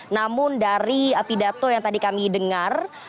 namun dari pidato yang tadi kami dengar